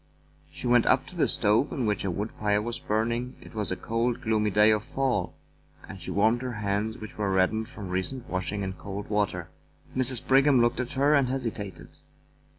She went up to the stove in which a wood fire was burning — it was a cold, gloomy day of fall — and she warmed her hands, which were reddened from recent washing in cold water. Mrs. Brigham looked at her and hesitated.